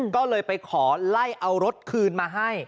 ก็เลยไปขอไล่เอารถคืนมาให้